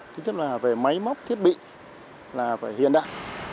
tiếp tục là về máy móc thiết bị là phải hiện đại